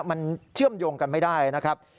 มันเชื่อมโยงกันไม่ได้นะครับ